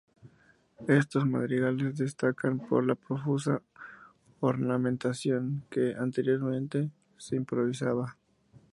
Estos madrigales destacan por la profusa ornamentación que anteriormente se improvisaba.